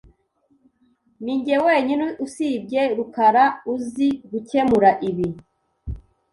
Ninjye wenyine usibye rukara uzi gukemura ibi .